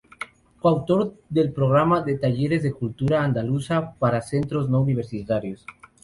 Coautor del programa de talleres de cultura andaluza para centros no universitarios.